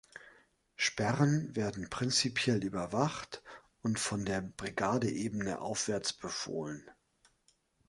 Sperren werden prinzipiell überwacht und von der Brigadeebene aufwärts befohlen.